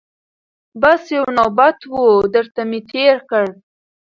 بس یو نوبت وو درته مي تېر کړ